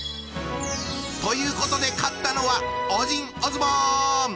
ということで勝ったのはオジンオズボーン！